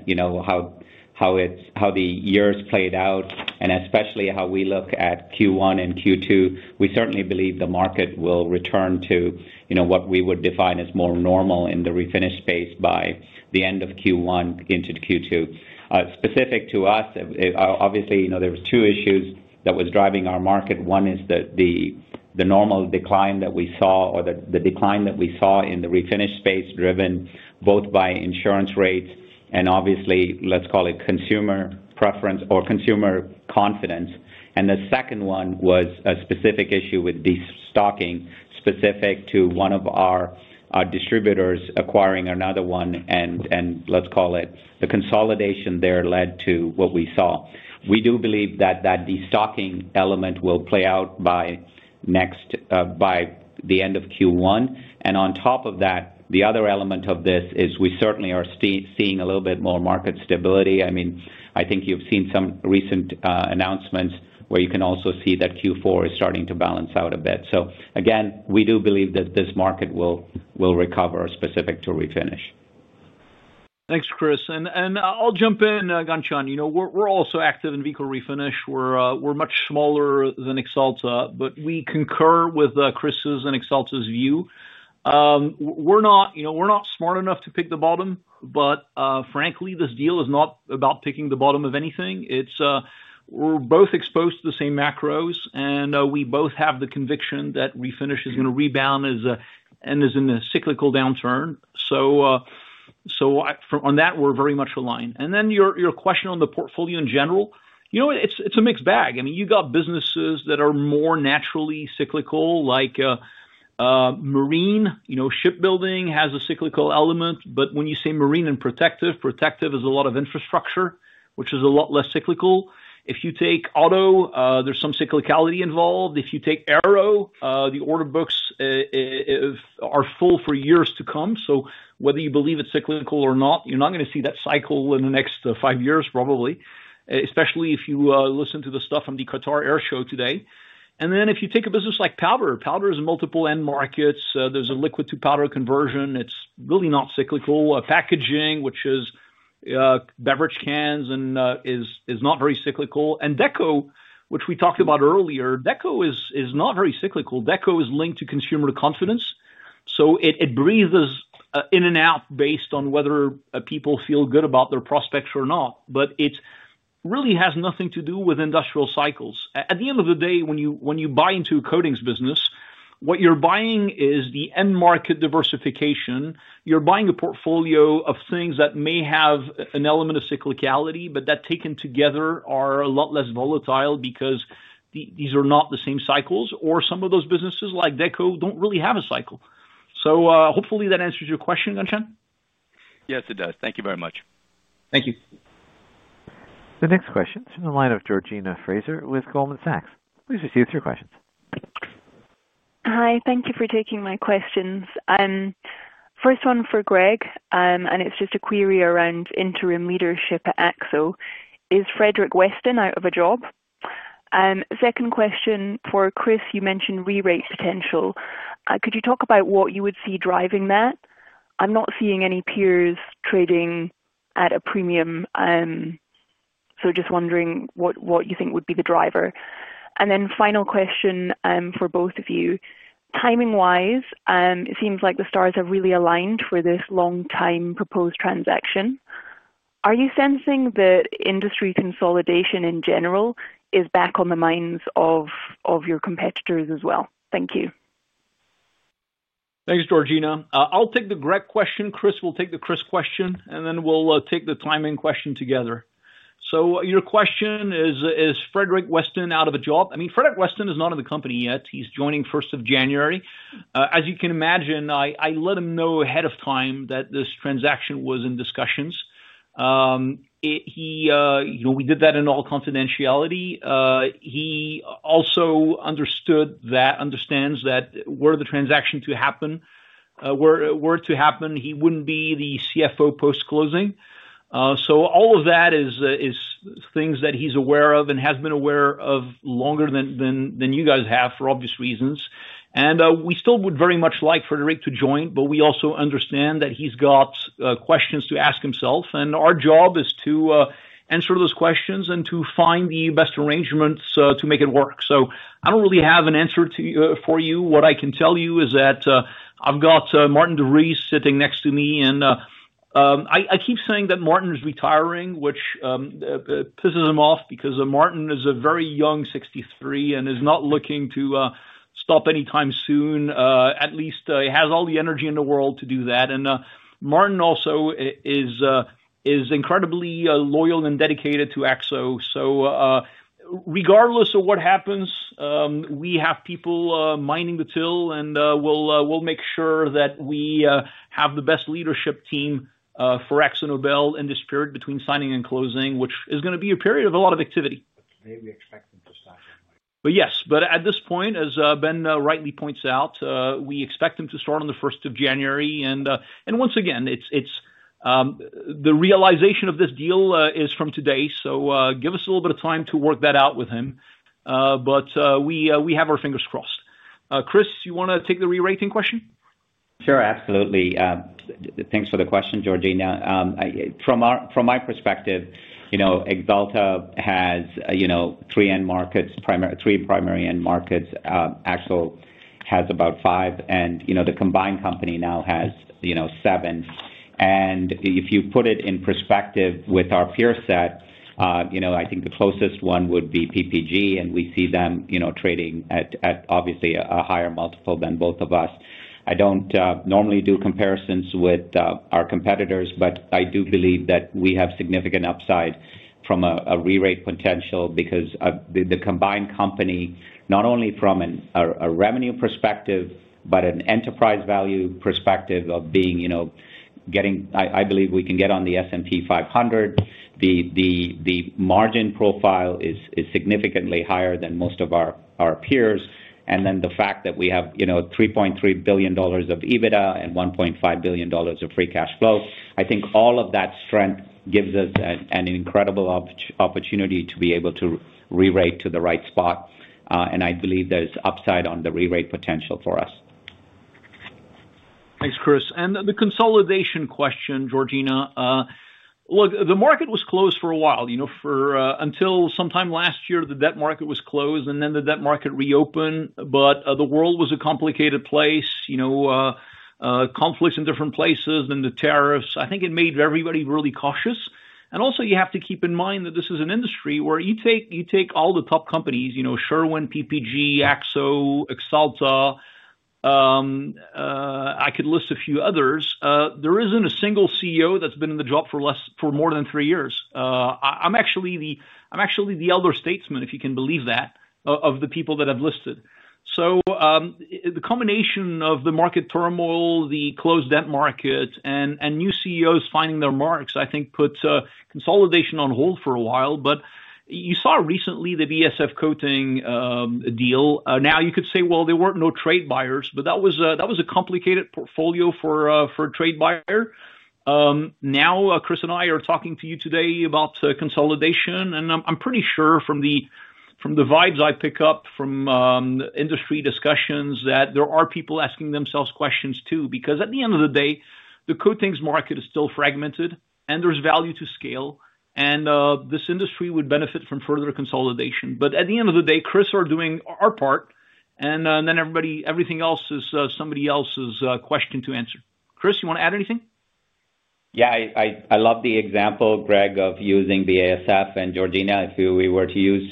how the year's played out, and especially how we look at Q1 and Q2. We certainly believe the market will return to what we would define as more normal in the refinish space by the end of Q1 into Q2. Specific to us, obviously, there were two issues that were driving our market. One is the normal decline that we saw, or the decline that we saw in the refinish space, driven both by insurance rates and obviously, let's call it consumer preference or consumer confidence. The second one was a specific issue with destocking specific to one of our distributors acquiring another one. Let's call it the consolidation there led to what we saw. We do believe that that destocking element will play out by the end of Q1. On top of that, the other element of this is we certainly are seeing a little bit more market stability. I mean, I think you've seen some recent announcements where you can also see that Q4 is starting to balance out a bit. Again, we do believe that this market will recover specific to refinish. Thanks, Chris. I'll jump in, Ghansham. We're also active in vehicle refinish. We're much smaller than Axalta, but we concur with Chris's and Axalta's view. We're not smart enough to pick the bottom, but frankly, this deal is not about picking the bottom of anything. We're both exposed to the same macros, and we both have the conviction that refinish is going to rebound and is in a cyclical downturn. On that, we're very much aligned. Your question on the portfolio in general, it's a mixed bag. I mean, you've got businesses that are more naturally cyclical, like marine. Shipbuilding has a cyclical element. When you say marine and protective, protective is a lot of infrastructure, which is a lot less cyclical. If you take auto, there's some cyclicality involved. If you take aero, the order books are full for years to come. Whether you believe it's cyclical or not, you're not going to see that cycle in the next five years, probably, especially if you listen to the stuff on the Qatar Air Show today. If you take a business like powder, powder is multiple end markets. There's a liquid-to-powder conversion. It's really not cyclical. Packaging, which is beverage cans, is not very cyclical. Deco, which we talked about earlier, Deco is not very cyclical. Deco is linked to consumer confidence. It breathes in and out based on whether people feel good about their prospects or not. It really has nothing to do with industrial cycles. At the end of the day, when you buy into a coatings business, what you're buying is the end market diversification. You're buying a portfolio of things that may have an element of cyclicality, but that taken together are a lot less volatile because these are not the same cycles. Or some of those businesses like Deco don't really have a cycle. Hopefully that answers your question, Ghansham. Yes, it does. Thank you very much. Thank you. The next question is from the line of Georgina Fraser with Goldman Sachs. Please proceed with your questions. Hi. Thank you for taking my questions. First one for Greg, and it's just a query around interim leadership at Akzo. Is Frederick Weston out of a job? Second question for Chris, you mentioned re-rate potential. Could you talk about what you would see driving that? I'm not seeing any peers trading at a premium, so just wondering what you think would be the driver. Final question for both of you. Timing-wise, it seems like the stars have really aligned for this long-time proposed transaction. Are you sensing that industry consolidation in general is back on the minds of your competitors as well? Thank you. Thanks, Georgina. I'll take the Greg question. Chris will take the Chris question, and then we'll take the timing question together. Your question is, is Frederick Weston out of a job? I mean, Frederick Weston is not in the company yet. He's joining 1st of January. As you can imagine, I let him know ahead of time that this transaction was in discussions. We did that in all confidentiality. He also understood that, understands that were the transaction to happen, were to happen, he wouldn't be the CFO post-closing. All of that is things that he's aware of and has been aware of longer than you guys have for obvious reasons. We still would very much like Frederick to join, but we also understand that he's got questions to ask himself. Our job is to answer those questions and to find the best arrangements to make it work. I do not really have an answer for you. What I can tell you is that I have got Maarten de Vries sitting next to me. I keep saying that Maarten is retiring, which pisses him off because Maarten is very young, 63, and is not looking to stop anytime soon. At least he has all the energy in the world to do that. Maarten also is incredibly loyal and dedicated to Akzo. Regardless of what happens, we have people minding the till, and we will make sure that we have the best Leadership Team for AkzoNobel in this period between signing and closing, which is going to be a period of a lot of activity. Maybe expect him to start. Yes. At this point, as Ben rightly points out, we expect him to start on the 1st of January. Once again, the realization of this deal is from today. Give us a little bit of time to work that out with him. We have our fingers crossed. Chris, you want to take the re-rating question? Sure. Absolutely. Thanks for the question, Georgina. From my perspective, Axalta has three primary end markets. Akzo has about five. The combined company now has seven. If you put it in perspective with our peer set, I think the closest one would be PPG, and we see them trading at obviously a higher multiple than both of us. I do not normally do comparisons with our competitors, but I do believe that we have significant upside from a re-rate potential because the combined company, not only from a revenue perspective, but an enterprise value perspective of getting, I believe we can get on the S&P 500, the margin profile is significantly higher than most of our peers. The fact that we have $3.3 billion of EBITDA and $1.5 billion of free cash flow, I think all of that strength gives us an incredible opportunity to be able to re-rate to the right spot. I believe there is upside on the re-rate potential for us. Thanks, Chris. The consolidation question, Georgina. Look, the market was closed for a while. Until sometime last year, the debt market was closed, and then the debt market reopened. The world was a complicated place, conflicts in different places, then the tariffs. I think it made everybody really cautious. Also, you have to keep in mind that this is an industry where you take all the top companies, Sherwin, PPG, Akzo, Axalta, I could list a few others. There is not a single CEO that has been in the job for more than three years. I am actually the elder statesman, if you can believe that, of the people that have listed. The combination of the market turmoil, the closed debt market, and new CEOs finding their marks, I think put consolidation on hold for a while. You saw recently the BASF Coating deal. Now, you could say, well, there were no trade buyers, but that was a complicated portfolio for a trade buyer. Now, Chris and I are talking to you today about consolidation. I'm pretty sure from the vibes I pick up from industry discussions that there are people asking themselves questions too. At the end of the day, the coatings market is still fragmented, and there's value to scale. This industry would benefit from further consolidation. At the end of the day, Chris and I are doing our part. Everything else is somebody else's question to answer. Chris, you want to add anything? Yeah. I love the example, Greg, of using BASF. And Georgina, if we were to use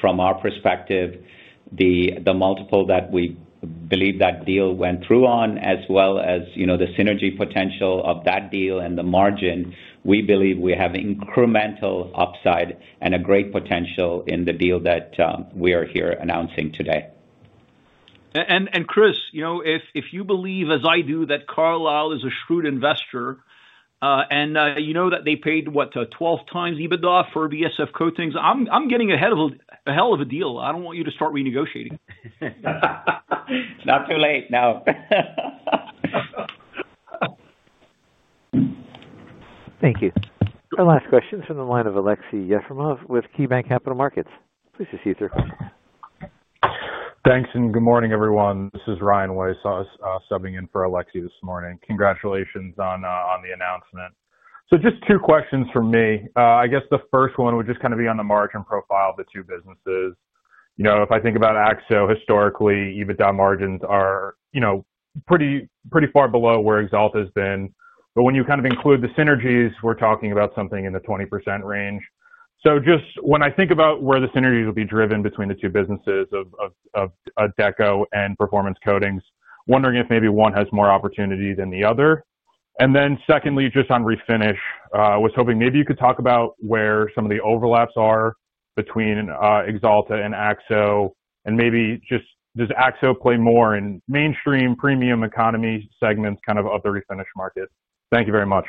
from our perspective, the multiple that we believe that deal went through on, as well as the synergy potential of that deal and the margin, we believe we have incremental upside and a great potential in the deal that we are here announcing today. Chris, if you believe, as I do, that Carlyle is a shrewd investor and you know that they paid, what, 12 times EBITDA for BASF Coatings, I'm getting a hell of a deal. I don't want you to start renegotiating. It's not too late. No. Thank you. The last question is from the line of Aleksey Yefremov with KeyBanc Capital Markets. Please proceed with your question. Thanks. Good morning, everyone. This is Ryan Weishaus subbing in for Aleksey this morning. Congratulations on the announcement. Just two questions from me. I guess the first one would just kind of be on the margin profile of the two businesses. If I think about Akzo, historically, EBITDA margins are pretty far below where Axalta has been. When you kind of include the synergies, we're talking about something in the 20% range. Just when I think about where the synergies will be driven between the two businesses of Deco and Performance Coatings, wondering if maybe one has more opportunity than the other. Secondly, just on refinish, I was hoping maybe you could talk about where some of the overlaps are between Axalta and Akzo. Maybe just does Akzo play more in mainstream premium economy segments kind of of the refinish market? Thank you very much.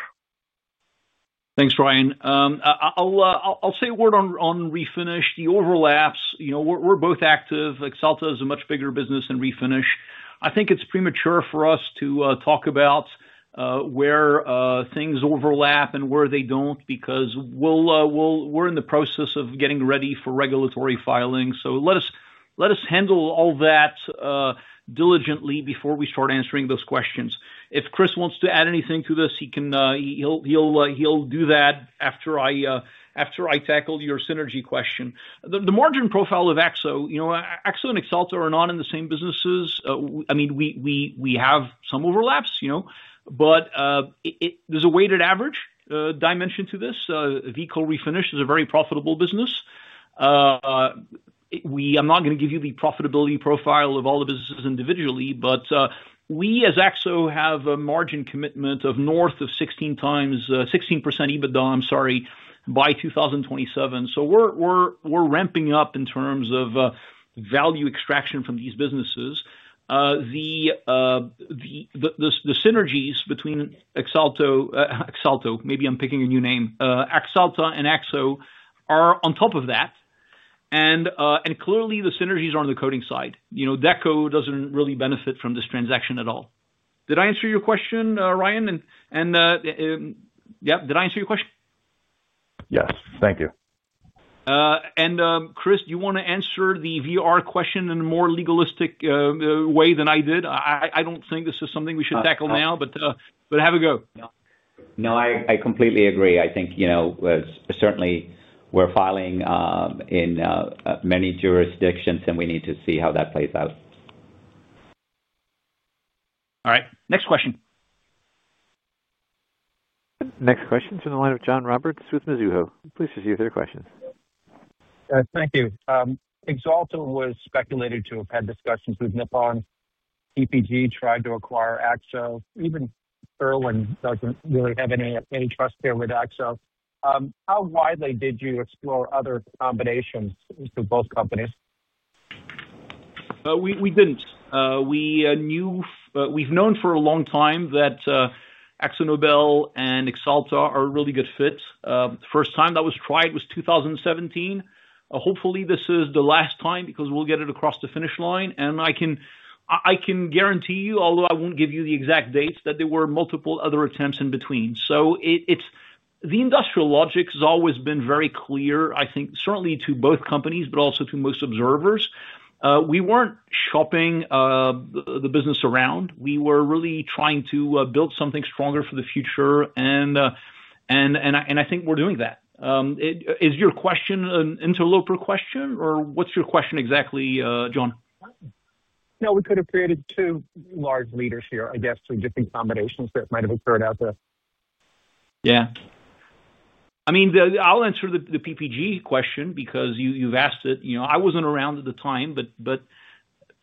Thanks, Ryan. I'll say a word on refinish. The overlaps, we're both active. Axalta is a much bigger business than refinish. I think it's premature for us to talk about where things overlap and where they don't because we're in the process of getting ready for regulatory filing. Let us handle all that diligently before we start answering those questions. If Chris wants to add anything to this, he'll do that after I tackle your synergy question. The margin profile of Akzo, Akzo and Axalta are not in the same businesses. I mean, we have some overlaps, but there's a weighted average dimension to this. Vehicle refinish is a very profitable business. I'm not going to give you the profitability profile of all the businesses individually, but we as Akzo have a margin commitment of north of 16% EBITDA, I'm sorry, by 2027. We're ramping up in terms of value extraction from these businesses. The synergies between Axalta—Axalta, maybe I'm picking a new name—Axalta and Akzo are on top of that. Clearly, the synergies are on the coating side. Deco doesn't really benefit from this transaction at all. Did I answer your question, Ryan? Yeah, did I answer your question? Yes. Thank you. Chris, do you want to answer the VR question in a more legalistic way than I did? I do not think this is something we should tackle now, but have a go. No, I completely agree. I think certainly we're filing in many jurisdictions, and we need to see how that plays out. All right. Next question. Next question is from the line of John Roberts with Mizuho. Please proceed with your questions. Thank you. Axalta was speculated to have had discussions with Nippon; PPG tried to acquire Akzo. Even Berlin doesn't really have any trust there with Akzo. How widely did you explore other combinations to both companies? did not. We have known for a long time that AkzoNobel and Axalta are a really good fit. The first time that was tried was 2017. Hopefully, this is the last time because we will get it across the finish line. I can guarantee you, although I will not give you the exact dates, that there were multiple other attempts in between. The industrial logic has always been very clear, I think, certainly to both companies, but also to most observers. We were not shopping the business around. We were really trying to build something stronger for the future. I think we are doing that. Is your question an interloper question, or what is your question exactly, John? No, we could have created two large leaders here, I guess, through different combinations that might have occurred out there. Yeah. I mean, I'll answer the PPG question because you've asked it. I wasn't around at the time, but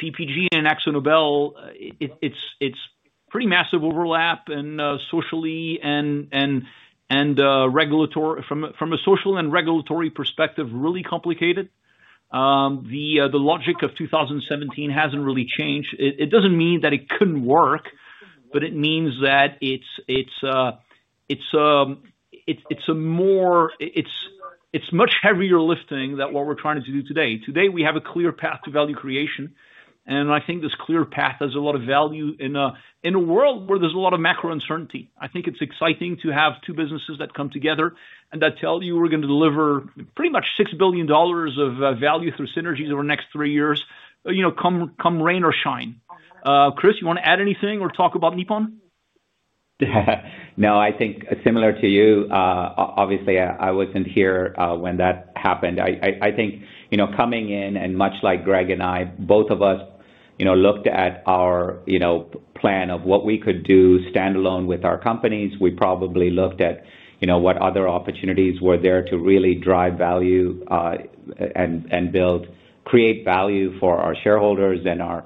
PPG and AkzoNobel, it's pretty massive overlap socially and regulatory. From a social and regulatory perspective, really complicated. The logic of 2017 hasn't really changed. It doesn't mean that it couldn't work, but it means that it's a much heavier lifting than what we're trying to do today. Today, we have a clear path to value creation. I think this clear path has a lot of value in a world where there's a lot of macro uncertainty. I think it's exciting to have two businesses that come together and that tell you we're going to deliver pretty much $6 billion of value through synergies over the next three years. Come Rain or Shine. Chris, you want to add anything or talk about Nippon? No, I think similar to you, obviously, I wasn't here when that happened. I think coming in, and much like Greg and I, both of us looked at our plan of what we could do standalone with our companies. We probably looked at what other opportunities were there to really drive value and create value for our shareholders and our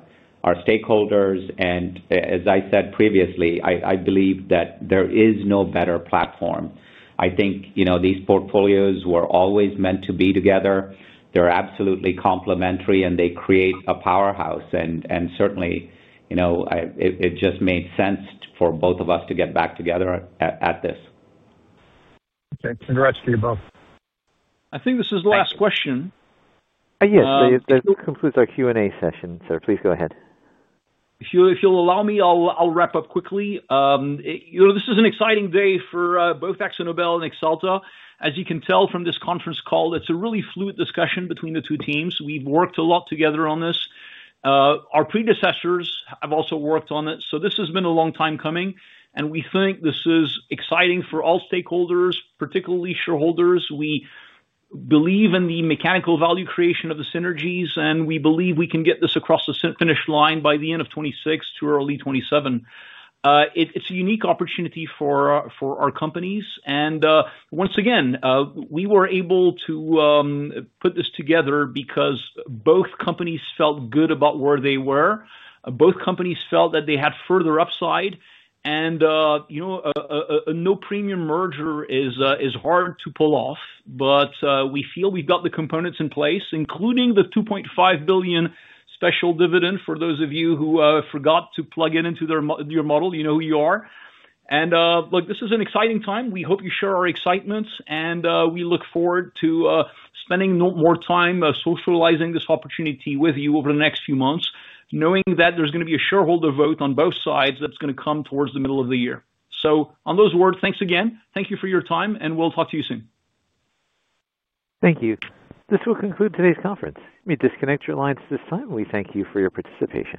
stakeholders. As I said previously, I believe that there is no better platform. I think these portfolios were always meant to be together. They're absolutely complementary, and they create a powerhouse. It just made sense for both of us to get back together at this. Okay. Congrats to you both. I think this is the last question. Yes. This concludes our Q&A session. So please go ahead. If you'll allow me, I'll wrap up quickly. This is an exciting day for both AkzoNobel and Axalta. As you can tell from this conference call, it's a really fluid discussion between the two teams. We've worked a lot together on this. Our predecessors have also worked on it. This has been a long time coming. We think this is exciting for all stakeholders, particularly shareholders. We believe in the mechanical value creation of the synergies, and we believe we can get this across the finish line by the end of 2026 to early 2027. It's a unique opportunity for our companies. Once again, we were able to put this together because both companies felt good about where they were. Both companies felt that they had further upside. A no-premium merger is hard to pull off, but we feel we've got the components in place, including the $2.5 billion special dividend for those of you who forgot to plug it into your model, you know who you are. This is an exciting time. We hope you share our excitement, and we look forward to spending more time socializing this opportunity with you over the next few months, knowing that there's going to be a shareholder vote on both sides that's going to come towards the middle of the year. On those words, thanks again. Thank you for your time, and we'll talk to you soon. Thank you. This will conclude today's conference. We disconnect your lines at this time. We thank you for your participation.